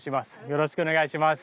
よろしくお願いします。